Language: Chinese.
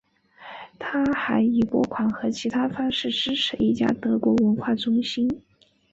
他还以拨款和其他方式支持一家德国文化中心。